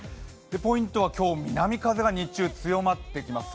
ポイントは、今日、南風が日中強まってきます。